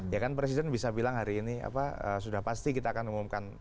ya kan presiden bisa bilang hari ini apa sudah pasti kita akan umumkan